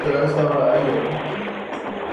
El estilo entra en la tradición clásica.